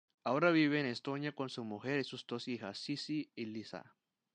Ahora vive en Estonia con su mujer y sus dos hijas, Sissi y Lisa.